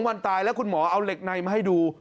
วันตายแล้วคุณหมอเอาเหล็กในมาให้ดู